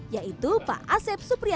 yaitu pak asep supriyatna